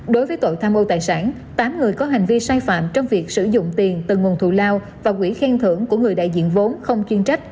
đối với tội tham ô tài sản tám người có hành vi sai phạm trong việc sử dụng tiền từ nguồn thù lao và quỹ khen thưởng của người đại diện vốn không chuyên trách